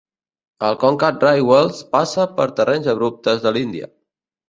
El Konkan Railways passa per terrenys abruptes de l'Índia.